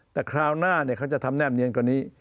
แต่คราวหน้าเขาจะทำแนบเนียนกว่านี้